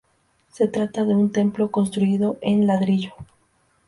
Se trata de un templo construido en ladrillo.